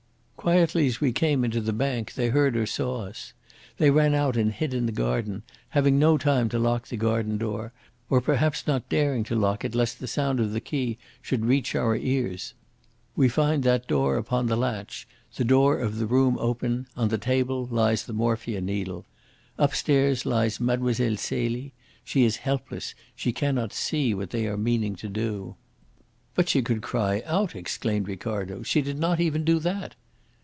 Quietly as we came into the bank, they heard or saw us. They ran out and hid in the garden, having no time to lock the garden door, or perhaps not daring to lock it lest the sound of the key should reach our ears. We find that door upon the latch, the door of the room open; on the table lies the morphia needle. Upstairs lies Mlle. Celie she is helpless, she cannot see what they are meaning to do." "But she could cry out," exclaimed Ricardo. "She did not even do that!"